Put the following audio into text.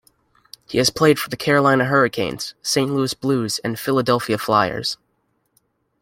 He has played for the Carolina Hurricanes, Saint Louis Blues and Philadelphia Flyers.